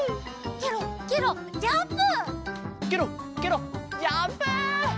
ケロッケロッジャンプ！